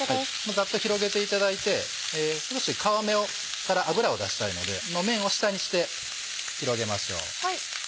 ザッと広げていただいて少し皮目から脂を出したいので皮の面を下にして広げましょう。